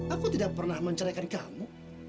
aku tidak pernah menceraikan kamu